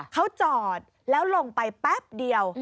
เขาจอดแล้วลงไปแป๊บเดียว